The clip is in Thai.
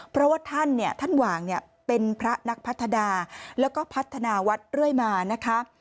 เพราะว่าท่านเนี่ยท่านหว่างเป็นพระนักพัฒนาแล้วก็พัฒนาวัดเรื่อยมานะคะ